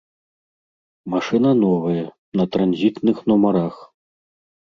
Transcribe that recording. Машына новая, на транзітных нумарах.